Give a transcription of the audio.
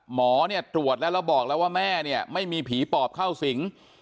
หมอตรวจแล้วบอกว่าแม่ไม่มีผีปอบเข้าสิง